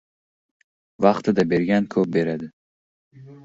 Vaqtida bergan ko‘p beradi.